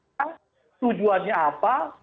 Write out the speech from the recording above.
apa tujuannya apa